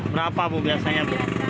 berapa bu biasanya